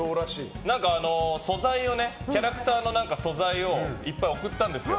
キャラクターの素材をいっぱい送ったんですよ。